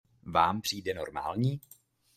Vám přijde normální?